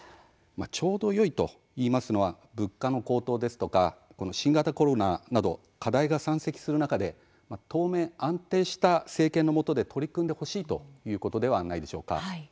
ちょうどよいといいますのは物価の高騰ですとか新型コロナなど課題が山積する中で当面、安定した政権のもとで取り組んでほしいということではないでしょうか。